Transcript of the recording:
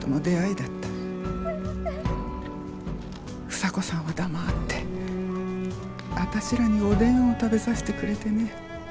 房子さんは黙ってあたしらにおでんを食べさせてくれてね。